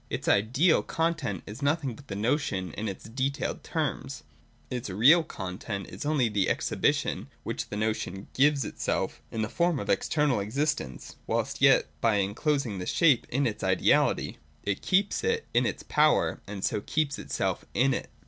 Its 'ideal' content is nothing but the notion in its detailed terms : its ' real ' content is only the exhibition which the notion gives itself in the form of external existence, whilst yet, by enclosing this shape in its ideality, it keeps it in its power, and so keeps itself in it.